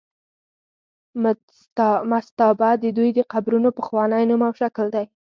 مستابه د دوی د قبرونو پخوانی نوم او شکل دی.